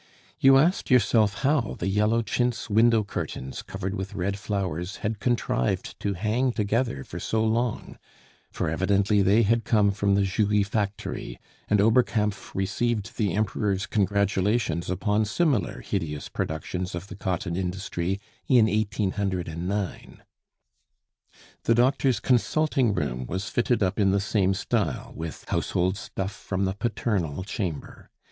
You asked yourself how the yellow chintz window curtains, covered with red flowers, had contrived to hang together for so long; for evidently they had come from the Jouy factory, and Oberkampf received the Emperor's congratulations upon similar hideous productions of the cotton industry in 1809. The doctor's consulting room was fitted up in the same style, with household stuff from the paternal chamber.